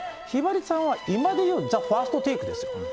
ひばりさんは、今でいう、ザ・ファースト・テイクです。